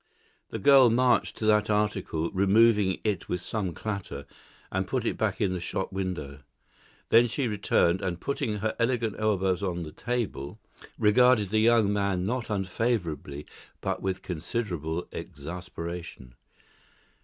The girl marched to that article, removed it with some clatter, and put it back in the shop window; she then returned, and, putting her elegant elbows on the table, regarded the young man not unfavourably but with considerable exasperation.